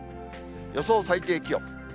予想最低気温。